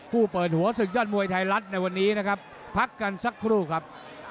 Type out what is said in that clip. ผู้เปิดหัวศึกยอดมวยไทยรัฐในวันนี้นะครับพักกันสักครู่ครับ